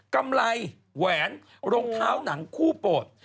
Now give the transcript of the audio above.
กำไรแหวนรองเท้าหนังคู่โปรด